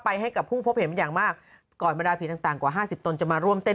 มาให้กับผู้สู้มาเห็นกันอย่างมาก